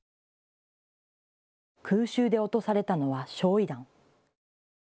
空襲で落とされたのは焼い弾。